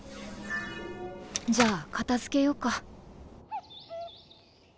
じゃあ片付けようか。